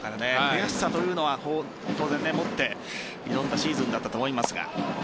悔しさというのは当然持って挑んだシーズンだったと思いますが。